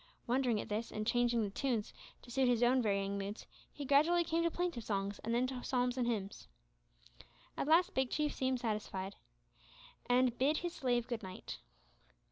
Wondering at this, and changing his tunes to suit his own varying moods, he gradually came to plaintive songs, and then to psalms and hymns. At last Big Chief seemed satisfied, and bade his slave good night.